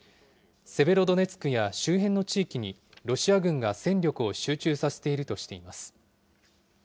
セベロドネツクや周辺の地域にロシア軍が戦力を集中させているとしています。